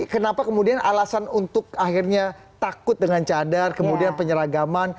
kenapa kemudian alasan untuk akhirnya takut dengan cadar kemudian penyeragaman